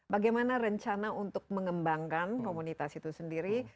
bagaimana rencana untuk mengembangkan komunitas itu sendiri